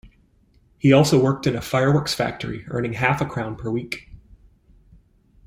He also worked in a fireworks factory earning half a crown per week.